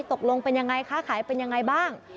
ตกลงเป็นยังไงค้าขายเป็นยังไงบ้าง